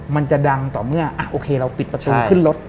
มันจะดังต่อเมื่อโอเคเราปิดประตูขึ้นรถ